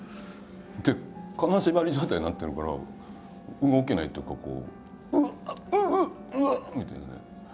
で金縛り状態になってるから動けないっていうかこう「うっうっうっうわっ」みたいなね。